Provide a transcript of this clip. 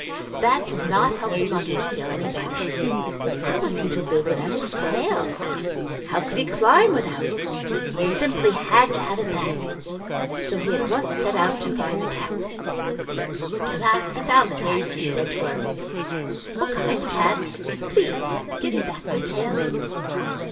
That did not help the monkey to feel any better. How was he to live without his tail! How could he climb without it! He simply had to have it back so he at once set out to find the cat. At last he found the cat and said to her, "O, kind cat, please give me back my tail."